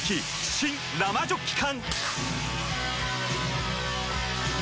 新・生ジョッキ缶！